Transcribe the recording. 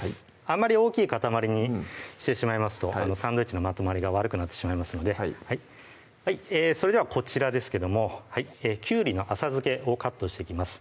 あんまり大きい塊にしてしまいますとサンドイッチのまとまりが悪くなってしまいますのでそれではこちらですけどもきゅうりの浅漬けをカットしていきます